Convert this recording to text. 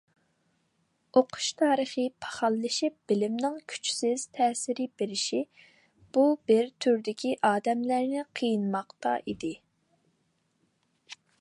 ئوقۇش تارىخى پاخاللىشىپ، بىلىمنىڭ كۈچسىز تەسىر بېرىشى بۇ بىر تۈردىكى ئادەملەرنى قىينىماقتا ئىدى.